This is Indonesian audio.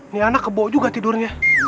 nih anak kebuk juga tidurnya